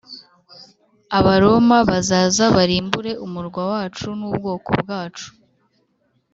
abaroma bazaza barimbure umurwa wacu n ubwoko bwacu